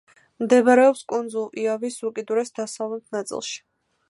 მდებარეობს კუნძულ იავის უკიდურეს დასავლეთ ნაწილში.